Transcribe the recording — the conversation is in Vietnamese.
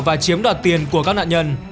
và chiếm đoạt tiền của các nạn nhân